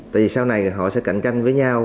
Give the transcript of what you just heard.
tại vì sau này họ sẽ cạnh canh với nhau